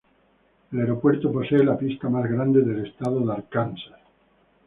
El aeropuerto posee la pista más grande del estado de Arkansas.